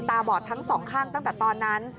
บอดทั้งสองข้างตั้งแต่ตอนนั้น